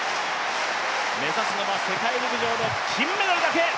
目指すのは世界陸上の金メダルだけ。